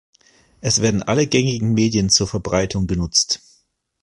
Es werden alle gängigen Medien zur Verbreitung genutzt.